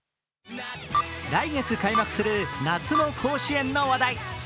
来月開幕する夏の甲子園の話題。